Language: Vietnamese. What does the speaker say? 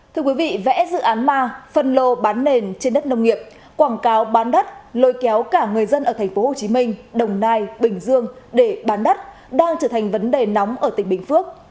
thưa quý vị vẽ dự án ma phân lô bán nền trên đất nông nghiệp quảng cáo bán đất lôi kéo cả người dân ở tp hcm đồng nai bình dương để bán đất đang trở thành vấn đề nóng ở tỉnh bình phước